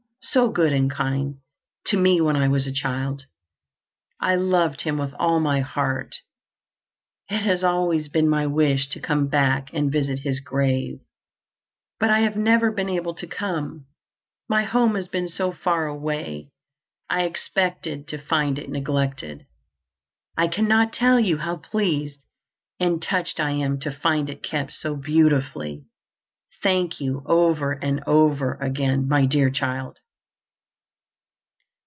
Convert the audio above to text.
so good and kind—to me when I was a child. I loved him with all my heart. It has always been my wish to come back and visit his grave, but I have never been able to come, my home has been so far away. I expected to find it neglected. I cannot tell you how pleased and touched I am to find it kept so beautifully. Thank you over and over again, my dear child!"